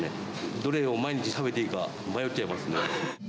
どれを毎日、食べていいか、迷っちゃいますね。